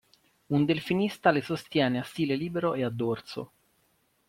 Un delfinista le sostiene a stile libero e a dorso.